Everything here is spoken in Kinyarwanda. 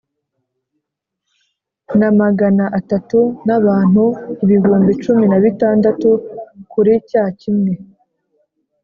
na magana atanu n abantu ibihumbi cumi na bitandatu Kuri cya kimwe